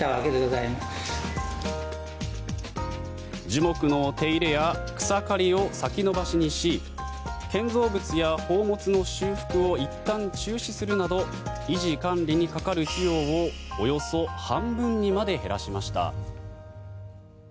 樹木の手入れや草刈りを先延ばしにし建造物や宝物の修復をいったん中止するなど維持管理にかかる費用をおよそ半分にまで減らしました。